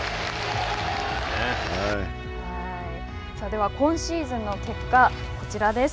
では、今シーズンの結果こちらです。